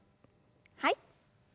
はい。